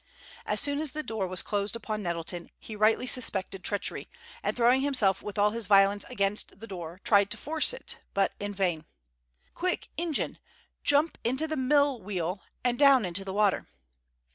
As soon as the door was closed upon Nettleton, he rightly suspected treachery, and throwing himself with all his violence against the door, tried to force it. But in vain. "Quick, Ingen; jump into the mill wheel, and down into the water!"